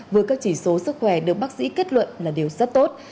với các chỉ số sức khỏe được bác sĩ kết luận là điều rất tốt